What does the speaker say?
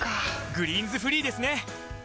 「グリーンズフリー」ですね！